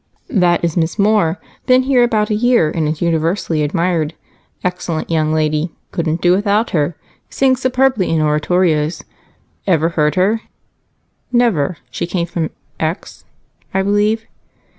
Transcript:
"That is Miss Moore. Been here about a year, and is universally admired. Excellent young lady couldn't do without her. Sings superbly in oratorios. Ever heard her?" "Never. She came from X, I believe?